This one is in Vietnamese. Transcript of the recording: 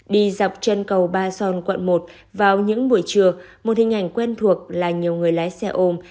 đi dọc chân cầu ba son quận một vào những buổi trưa một hình ảnh quen thuộc là nhiều người lái xe ôm